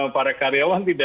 para karyawan tidak